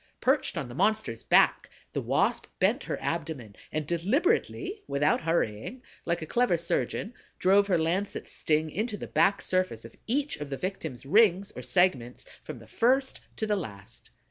Perched on the monster's back, the Wasp bent her abdomen and deliberately, without hurrying, like a clever surgeon, drove her lancet sting into the back surface of each of the victim's rings or segments, from the first to the last.